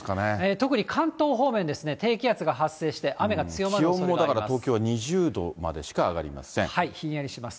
特に関東方面ですね、低気圧が発生して、雨が強まるおそれが気温もだから東京２０度までひんやりします。